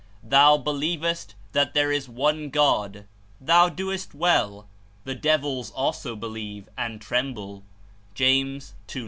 ^'Thou believest that there is one God; thou doest well; the devils also believe, and tre^nble/' (James 2.19.)